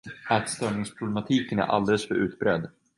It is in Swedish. Ätstörningsproblematiken är alldeles för utbredd.